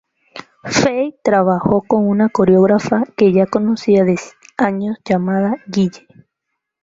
Fey trabajo con una coreógrafa que ya conocía de años llamada Guille.